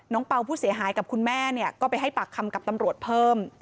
เป่าผู้เสียหายกับคุณแม่เนี่ยก็ไปให้ปากคำกับตำรวจเพิ่ม